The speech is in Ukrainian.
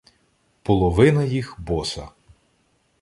Половина їх — боса.